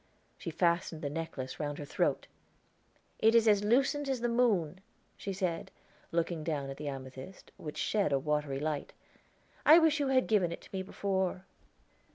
She fastened the necklace round her throat. "It is as lucent as the moon," she said, looking down at the amethyst, which shed a watery light; "I wish you had given it to me before."